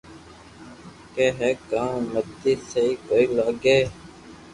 ڪي ھي ڪاو مني سھي ڪوئي لاگي